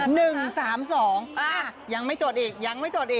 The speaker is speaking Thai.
หนึ่งสามสองอ่ายังไม่จดอีกยังไม่จดอีก